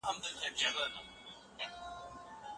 انسان کله کله مرسته کوي.